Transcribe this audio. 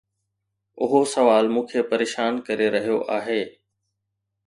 اهو سوال مون کي پريشان ڪري رهيو آهي.